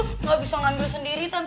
nggak bisa ngambil sendiri tante